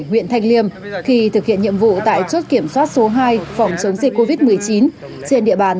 huyện thanh liêm khi thực hiện nhiệm vụ tại chốt kiểm soát số hai phòng chống dịch covid một mươi chín trên địa bàn